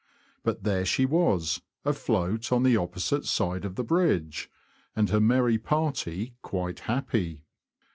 But there she was, afloat, on the opposite side of the bridge, and her merry party quite happy.